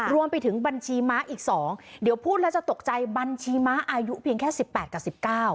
รวมไปถึงบัญชีม้าอีก๒เดี๋ยวพูดแล้วจะตกใจบัญชีม้าอายุเพียงแค่สิบแปดกับ๑๙